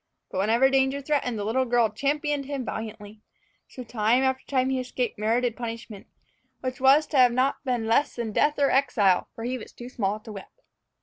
But whenever danger threatened, the little girl championed him valiantly. So time after time he escaped merited punishment, which was to have been not less than death or exile; for he was too small to whip.